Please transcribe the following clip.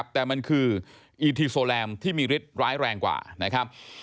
แต่มันคืออีทีโซแลมที่มีฤทธิ์ร้ายแรงกว่านะครับ